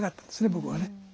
僕はね。